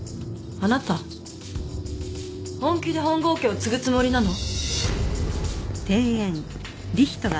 あなた本気で本郷家を継ぐつもりなの？